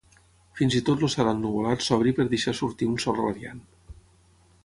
Fins i tot el cel ennuvolat s'obre per deixar sortir un sol radiant.